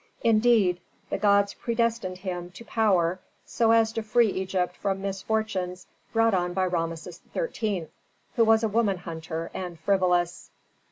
"Indeed the gods predestined him to power so as to free Egypt from misfortunes brought on by Rameses XIII., who was a woman hunter and frivolous."